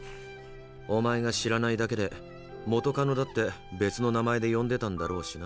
お前が知らないだけで元カノだって別の名前で呼んでたんだろうしな。